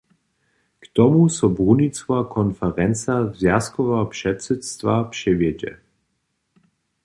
K tomu so brunicowa konferenca zwjazkoweho předsydstwa přewjedźe.